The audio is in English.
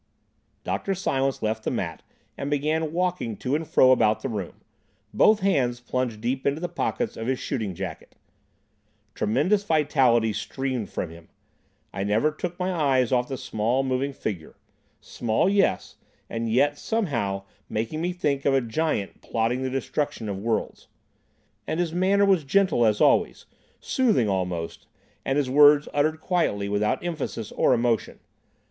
Dr. Silence left the mat and began walking to and fro about the room, both hands plunged deep into the pockets of his shooting jacket. Tremendous vitality streamed from him. I never took my eyes off the small, moving figure; small yes,—and yet somehow making me think of a giant plotting the destruction of worlds. And his manner was gentle, as always, soothing almost, and his words uttered quietly without emphasis or emotion.